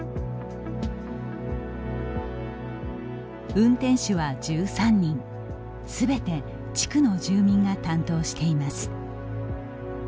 運転手は１３人すべて地区の住民が担当しています。